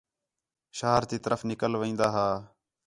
شہر تی طرف نِکل وین٘دا ہا